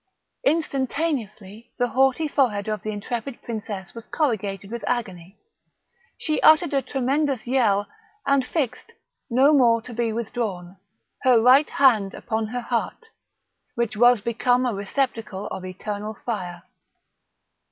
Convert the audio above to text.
Instantaneously the haughty forehead of the intrepid princess was corrugated with agony; she uttered a tremendous yell, and fixed, no more to be withdrawn, her right hand upon her heart, which was become a receptacle of eternal fire.